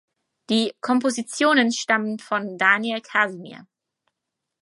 Die Kompositionen stammen von Daniel Casimir.